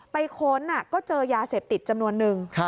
ค้นก็เจอยาเสพติดจำนวนนึง